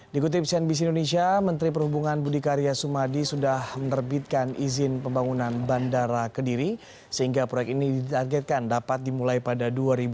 dikutip cnbc indonesia menteri perhubungan budi karya sumadi sudah menerbitkan izin pembangunan bandara kediri sehingga proyek ini ditargetkan dapat dimulai pada dua ribu dua puluh